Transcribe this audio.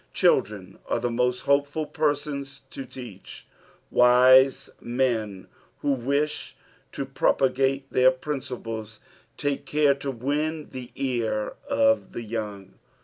Children are the most hopeful persona to teach — wise men who wish to propagate their principles take care to win the ear of the young.